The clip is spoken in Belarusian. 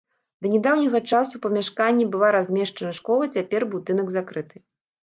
Да нядаўняга часу ў памяшканні была размешчана школа, цяпер будынак закрыты.